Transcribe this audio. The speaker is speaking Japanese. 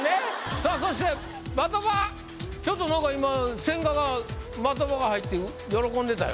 さあそして的場ちょっとなんか今千賀が的場が入って喜んでたよ。